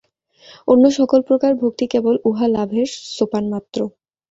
অন্য সকল প্রকার ভক্তি কেবল উহা লাভের সোপানমাত্র।